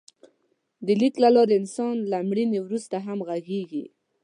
د لیک له لارې انسان له مړینې وروسته هم غږېږي.